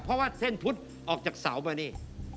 เพราะว่าเซ่นพุทธออกจากเสามาเนี่ย